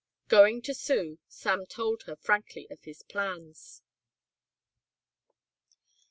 Going to Sue, Sam told her frankly of his plans.